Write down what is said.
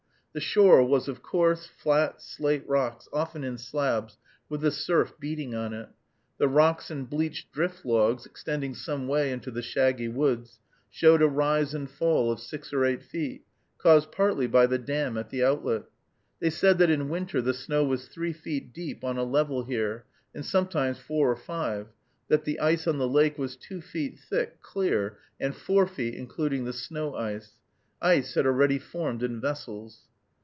The shore was of coarse, flat, slate rocks, often in slabs, with the surf beating on it. The rocks and bleached drift logs, extending some way into the shaggy woods, showed a rise and fall of six or eight feet, caused partly by the dam at the outlet. They said that in winter the snow was three feet deep on a level here, and sometimes four or five, that the ice on the lake was two feet thick, clear, and four feet including the snow ice. Ice had already formed in vessels.